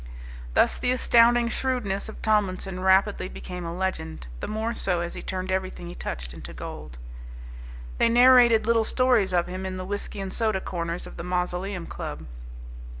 Thus the astounding shrewdness of Tomlinson rapidly became a legend, the more so as he turned everything he touched to gold. They narrated little stories of him in the whiskey and soda corners of the Mausoleum Club.